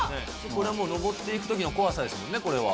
これはもう、登っていくときの怖さですもんね、これは。